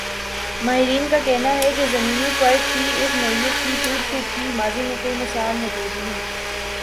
ماہرین کا کہنا ہی کہ زمینی پرت کی اس نوعیت کی ٹوٹ پھوٹ کی ماضی میں کوئی مثال موجود نہیں ا